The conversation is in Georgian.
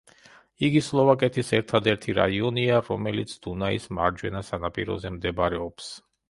იგი სლოვაკეთის ერთადერთი რაიონია, რომელიც დუნაის მარჯვენა სანაპიროზე მდებარეობს.